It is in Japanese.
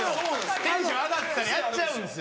テンション上がったらやっちゃうんですよ。